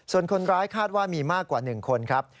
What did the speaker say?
ส่วนคนร้ายคาดว่ามีมากกว่า๑คนครับ